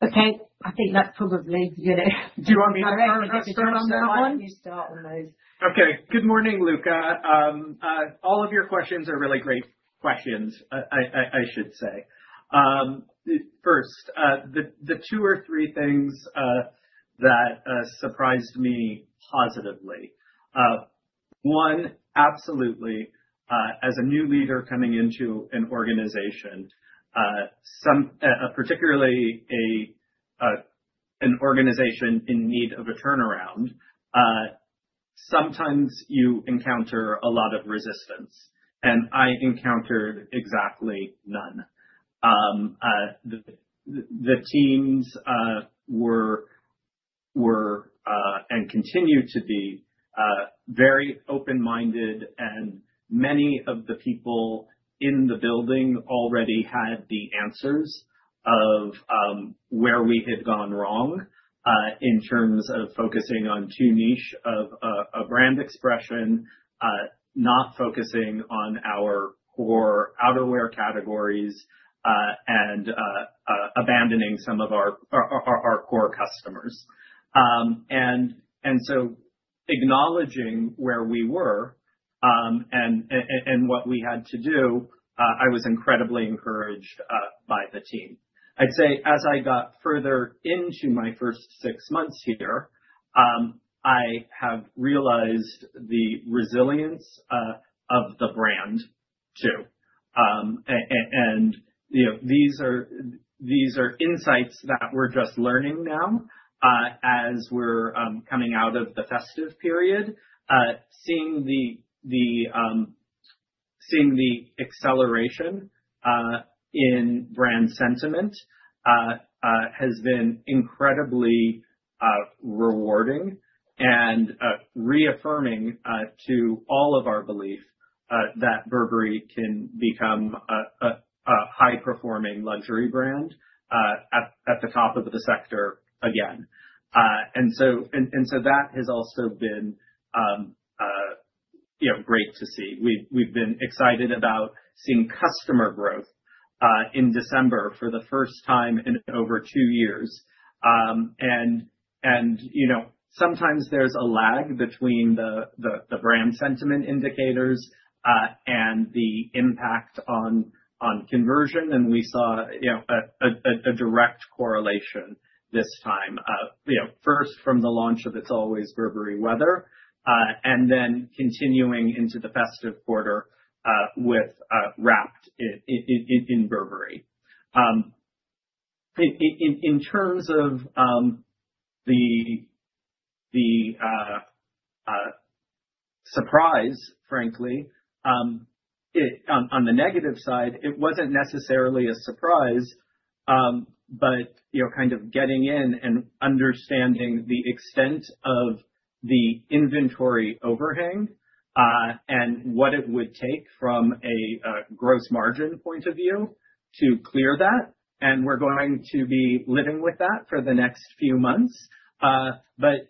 Okay. I think that's probably. Do you want me to turn on that one? Okay. Good morning, Luca. All of your questions are really great questions, I should say. First, the two or three things that surprised me positively. One, absolutely, as a new leader coming into an organization, particularly an organization in need of a turnaround, sometimes you encounter a lot of resistance, and I encountered exactly none. The teams were and continue to be very open-minded, and many of the people in the building already had the answers of where we had gone wrong in terms of focusing on too niche of a brand expression, not focusing on our core outerwear categories, and abandoning some of our core customers. So acknowledging where we were and what we had to do, I was incredibly encouraged by the team. I'd say as I got further into my first six months here, I have realized the resilience of the brand too. These are insights that we're just learning now as we're coming out of the festive period. Seeing the acceleration in brand sentiment has been incredibly rewarding and reaffirming to all of our belief that Burberry can become a high-performing luxury brand at the top of the sector again. So that has also been great to see. We've been excited about seeing customer growth in December for the first time in over two years. Sometimes there's a lag between the brand sentiment indicators and the impact on conversion, and we saw a direct correlation this time, first from the launch of It's Always Burberry Weather, and then continuing into the festive quarter with Wrapped in Burberry. In terms of the surprise, frankly, on the negative side, it wasn't necessarily a surprise, but kind of getting in and understanding the extent of the inventory overhang and what it would take from a gross margin point of view to clear that. And we're going to be living with that for the next few months. But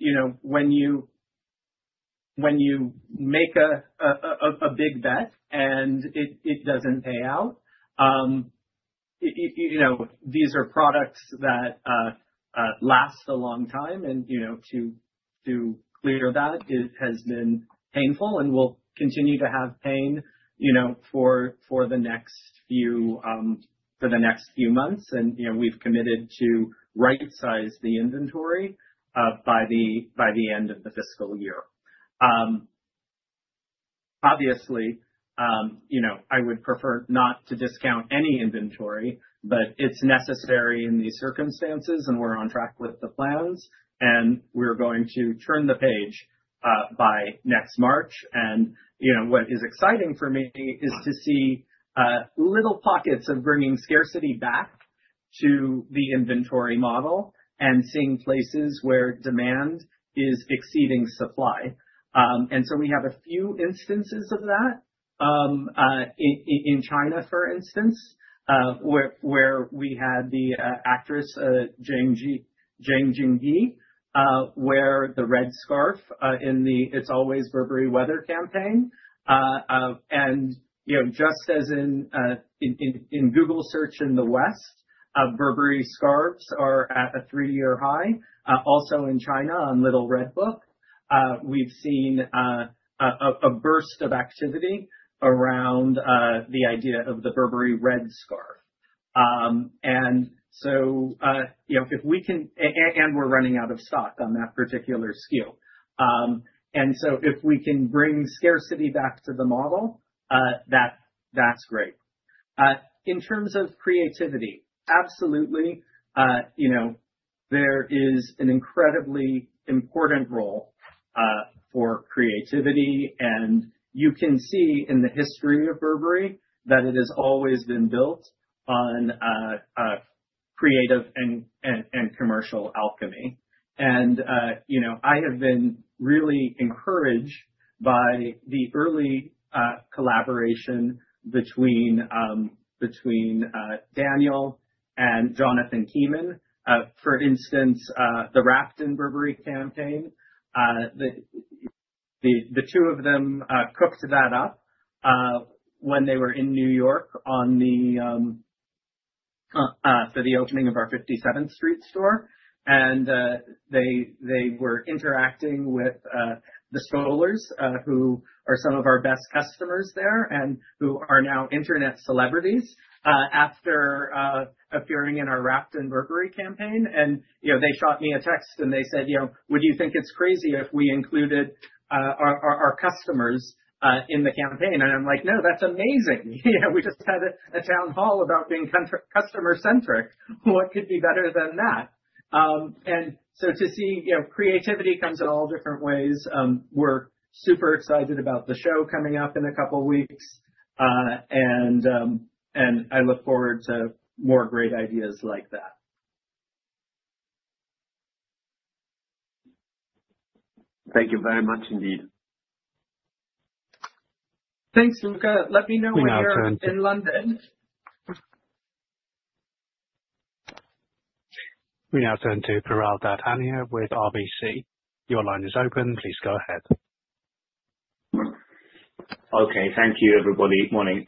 when you make a big bet and it doesn't pay out, these are products that last a long time. And to clear that, it has been painful and will continue to have pain for the next few months. And we've committed to right-size the inventory by the end of the fiscal year. Obviously, I would prefer not to discount any inventory, but it's necessary in these circumstances, and we're on track with the plans, and we're going to turn the page by next March. What is exciting for me is to see little pockets of bringing scarcity back to the inventory model and seeing places where demand is exceeding supply. And so we have a few instances of that in China, for instance, where we had the actress, Zhang Jingyi, wear the red scarf in the It's Always Burberry Weather campaign. And just as in Google search in the West, Burberry scarves are at a three-year high. Also in China, on Little Red Book, we've seen a burst of activity around the idea of the Burberry red scarf. And so if we can, and we're running out of stock on that particular SKU. And so if we can bring scarcity back to the model, that's great. In terms of creativity, absolutely, there is an incredibly important role for creativity. You can see in the history of Burberry that it has always been built on creative and commercial alchemy. I have been really encouraged by the early collaboration between Daniel and Jonathan Kiman. For instance, the Wrapped in Burberry campaign, the two of them cooked that up when they were in New York for the opening of our 57th Street store. They were interacting with The Strollers, who are some of our best customers there and who are now internet celebrities after appearing in our Wrapped in Burberry campaign. They shot me a text and they said, "Would you think it's crazy if we included our customers in the campaign?" I'm like, "No, that's amazing. We just had a town hall about being customer-centric. What could be better than that?" So to see creativity comes in all different ways. We're super excited about the show coming up in a couple of weeks, and I look forward to more great ideas like that. Thank you very much indeed. Thanks, Luca. Let me know when you're in London. We now turn to Piral Dadhania with RBC. Your line is open. Please go ahead. Okay. Thank you, everybody. Morning.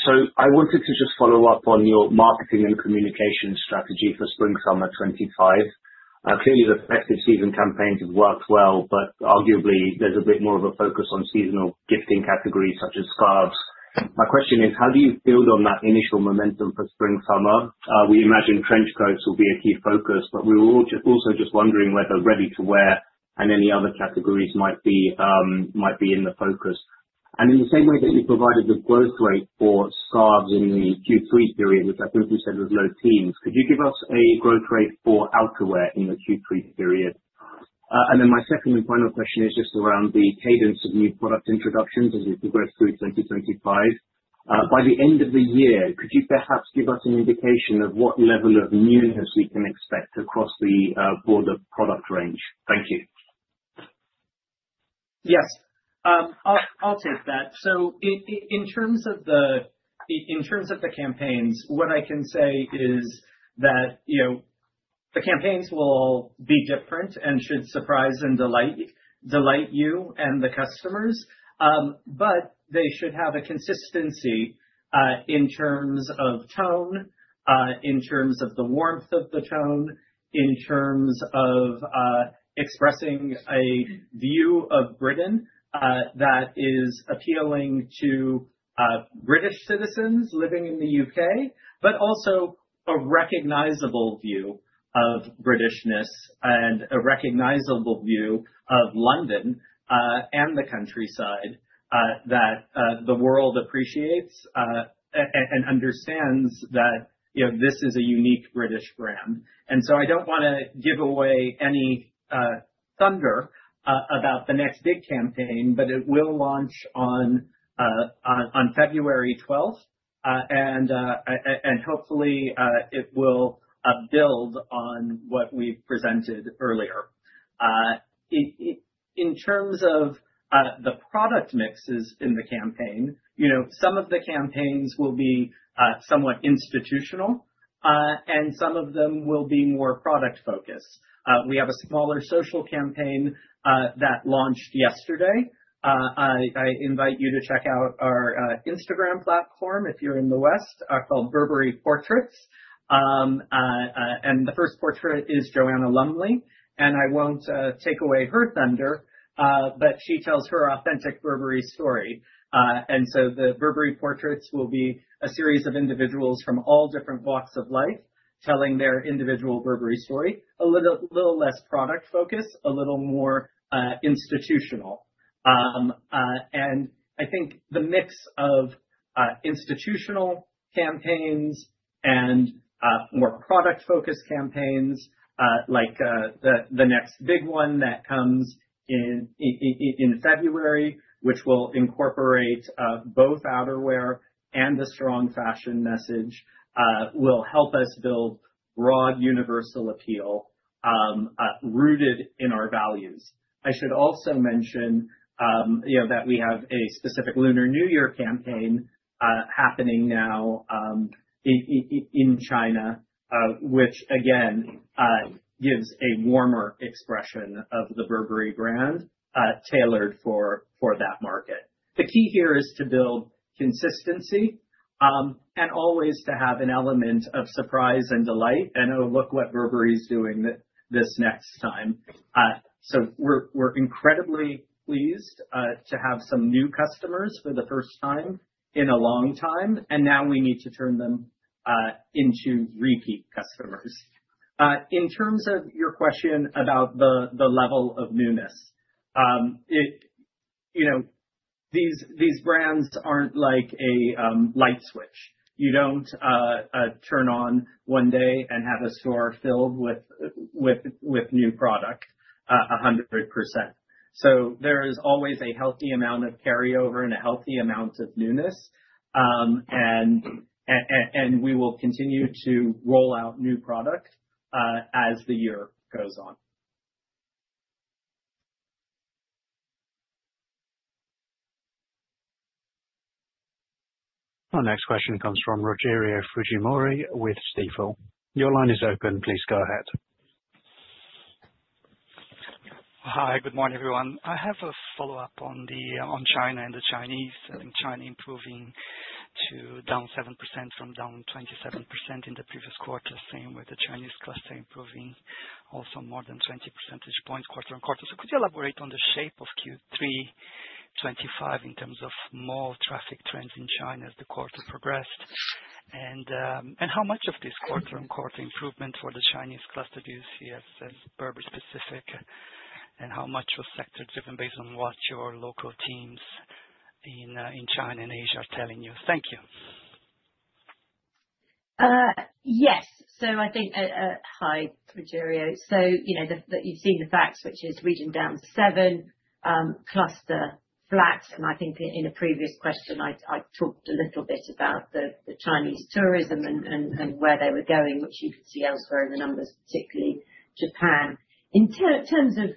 So I wanted to just follow up on your marketing and communication strategy for Spring/Summer 2025. Clearly, the festive season campaigns have worked well, but arguably, there's a bit more of a focus on seasonal gifting categories such as scarves. My question is, how do you build on that initial momentum for Spring/Summer? We imagine trench coats will be a key focus, but we're also just wondering whether ready-to-wear and any other categories might be in the focus. And in the same way that you provided the growth rate for scarves in the Q3 period, which I think you said was low teens, could you give us a growth rate for outerwear in the Q3 period? And then my second and final question is just around the cadence of new product introductions as we progress through 2025. By the end of the year, could you perhaps give us an indication of what level of newness we can expect across the broader product range? Thank you. Yes. I'll take that. So in terms of the campaigns, what I can say is that the campaigns will all be different and should surprise and delight you and the customers. But they should have a consistency in terms of tone, in terms of the warmth of the tone, in terms of expressing a view of Britain that is appealing to British citizens living in the U.K., but also a recognizable view of Britishness and a recognizable view of London and the countryside that the world appreciates and understands that this is a unique British brand. And so I don't want to give away any thunder about the next big campaign, but it will launch on February 12th, and hopefully, it will build on what we've presented earlier. In terms of the product mixes in the campaign, some of the campaigns will be somewhat institutional, and some of them will be more product-focused. We have a smaller social campaign that launched yesterday. I invite you to check out our Instagram platform if you're in the West called Burberry Portraits. The first portrait is Joanna Lumley, and I won't take away her thunder, but she tells her authentic Burberry story. The Burberry Portraits will be a series of individuals from all different walks of life telling their individual Burberry story, a little less product-focused, a little more institutional. I think the mix of institutional campaigns and more product-focused campaigns, like the next big one that comes in February, which will incorporate both outerwear and the strong fashion message, will help us build broad universal appeal rooted in our values. I should also mention that we have a specific Lunar New Year campaign happening now in China, which, again, gives a warmer expression of the Burberry brand tailored for that market. The key here is to build consistency and always to have an element of surprise and delight. And oh, look what Burberry is doing this next time. So we're incredibly pleased to have some new customers for the first time in a long time, and now we need to turn them into repeat customers. In terms of your question about the level of newness, these brands aren't like a light switch. You don't turn on one day and have a store filled with new product 100%. So there is always a healthy amount of carryover and a healthy amount of newness, and we will continue to roll out new product as the year goes on. Our next question comes from Rogerio Fujimori with Stifel. Your line is open. Please go ahead. Hi. Good morning, everyone. I have a follow-up on China and the Chinese. And China improving to down 7% from down 27% in the previous quarter, same with the Chinese cluster improving also more than 20 percentage points quarter-on-quarter. So could you elaborate on the shape of Q3 2025 in terms of more traffic trends in China as the quarter progressed? And how much of this quarter-on-quarter improvement for the Chinese cluster do you see as Burberry-specific, and how much was sector-driven based on what your local teams in China and Asia are telling you? Thank you. Yes. So I think, hi, Rogerio. So you've seen the facts, which is region down 7%, cluster flat. And I think in a previous question, I talked a little bit about the Chinese tourism and where they were going, which you can see elsewhere in the numbers, particularly Japan. In terms of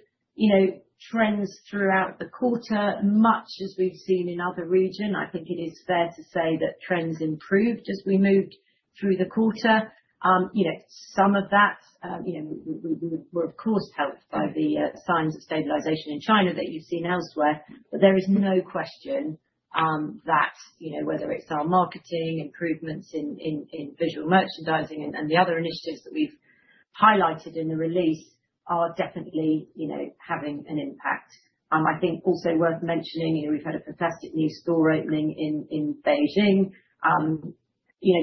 trends throughout the quarter, much as we've seen in other regions, I think it is fair to say that trends improved as we moved through the quarter. Some of that, we were, of course, helped by the signs of stabilization in China that you've seen elsewhere. But there is no question that whether it's our marketing, improvements in visual merchandising, and the other initiatives that we've highlighted in the release are definitely having an impact. I think also worth mentioning, we've had a fantastic new store opening in Beijing.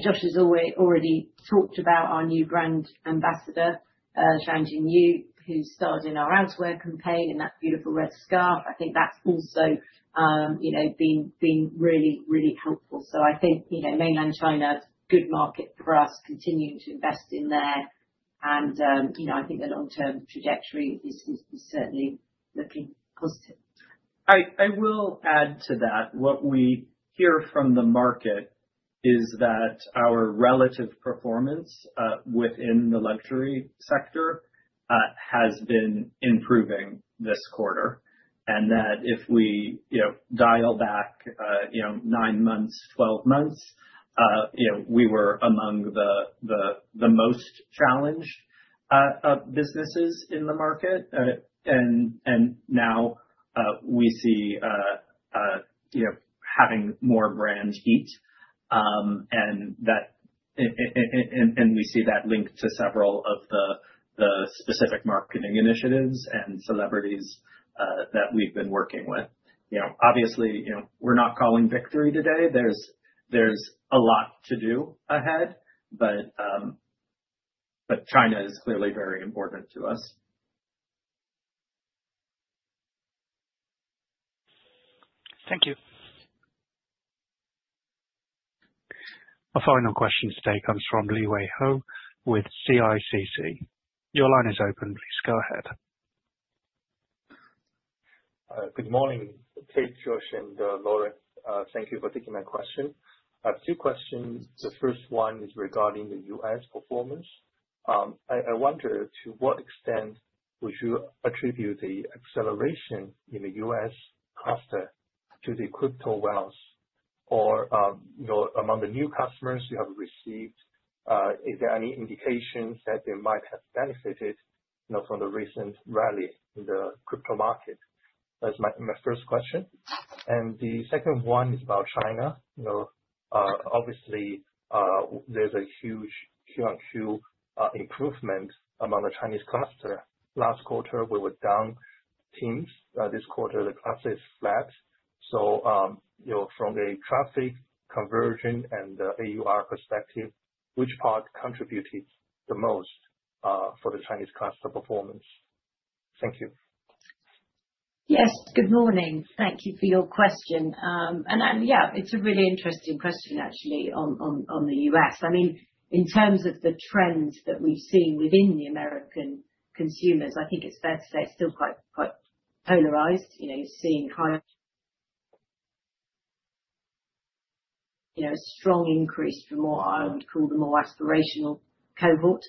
Josh has already talked about our new brand ambassador, Zhang Jingyi, who's starting our outerwear campaign in that beautiful red scarf. I think that's also been really, really helpful. So I think Mainland China, good market for us, continuing to invest in there. And I think the long-term trajectory is certainly looking positive. I will add to that. What we hear from the market is that our relative performance within the luxury sector has been improving this quarter, and that if we dial back nine months, 12 months, we were among the most challenged businesses in the market, and now we see having more brand heat, and we see that linked to several of the specific marketing initiatives and celebrities that we've been working with. Obviously, we're not calling victory today. There's a lot to do ahead, but China is clearly very important to us. Thank you. Our final question today comes from Liwei Hou with CICC. Your line is open. Please go ahead. Good morning. Kate, Josh and Lauren. Thank you for taking my question. I have two questions. The first one is regarding the U.S. performance. I wonder to what extent would you attribute the acceleration in the U.S. cluster to the crypto whales? Or among the new customers you have received, is there any indications that they might have benefited from the recent rally in the crypto market? That's my first question. And the second one is about China. Obviously, there's a huge QoQ improvement among the Chinese cluster. Last quarter, we were down teens. This quarter, the cluster is flat. So from a traffic conversion and AUR perspective, which part contributed the most for the Chinese cluster performance? Thank you. Yes. Good morning. Thank you for your question. And yeah, it's a really interesting question, actually, on the U.S. I mean, in terms of the trends that we've seen within the American consumers, I think it's fair to say it's still quite polarized. You're seeing a strong increase from what I would call the more aspirational cohort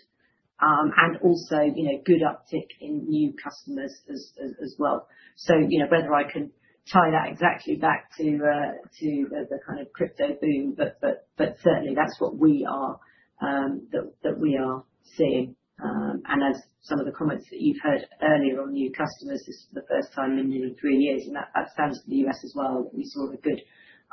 and also good uptick in new customers as well. So whether I can tie that exactly back to the kind of crypto boom, but certainly, that's what we are seeing. And as some of the comments that you've heard earlier on new customers is for the first time in nearly three years. And that stands for the U.S. as well, that we saw a good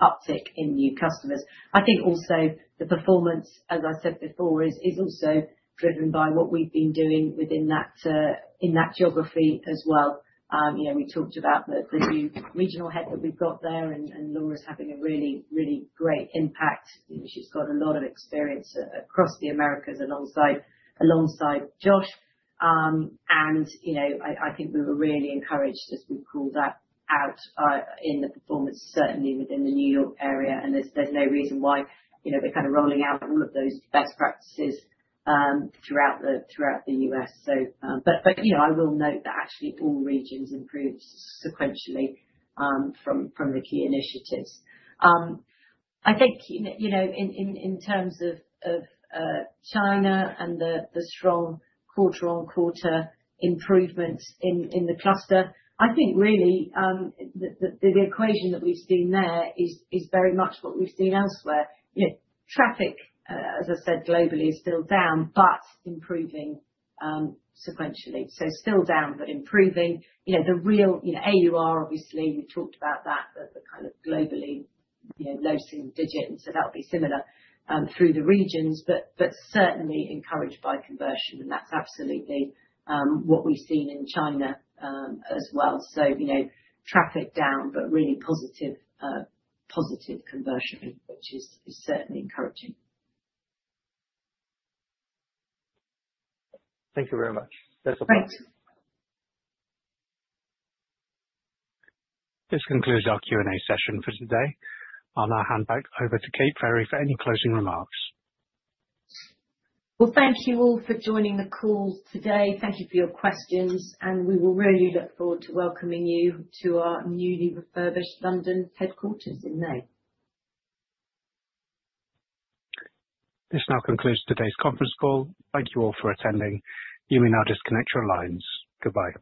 uptick in new customers. I think also the performance, as I said before, is also driven by what we've been doing in that geography as well. We talked about the new regional head that we've got there, and Lauren's having a really, really great impact. She's got a lot of experience across the Americas alongside Josh. And I think we were really encouraged, as we call that, out in the performance, certainly within the New York area. And there's no reason why they're kind of rolling out all of those best practices throughout the U.S. But I will note that actually all regions improved sequentially from the key initiatives. I think in terms of China and the strong quarter-on-quarter improvements in the cluster, I think really the equation that we've seen there is very much what we've seen elsewhere. Traffic, as I said, globally is still down, but improving sequentially. So still down, but improving. The real AUR, obviously, we talked about that, the kind of globally low-single digit. And so that would be similar through the regions, but certainly encouraged by conversion. And that's absolutely what we've seen in China as well. So traffic down, but really positive conversion, which is certainly encouraging. Thank you very much. That's all. Thanks. This concludes our Q&A session for today. I'll now hand back over to Kate Ferry for any closing remarks. Thank you all for joining the call today. Thank you for your questions. We will really look forward to welcoming you to our newly refurbished London headquarters in May. This now concludes today's conference call. Thank you all for attending. You may now disconnect your lines. Goodbye.